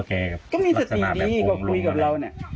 ก็มีสติดีก็คุยกับเราเนี่ย